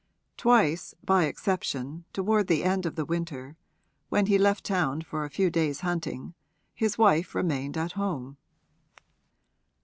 Twice, by exception, toward the end of the winter, when he left town for a few days' hunting, his wife remained at home.